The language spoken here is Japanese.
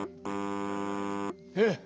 えっ！